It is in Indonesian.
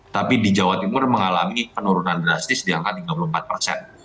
tapi di jawa timur mengalami penurunan drastis di angka tiga puluh empat persen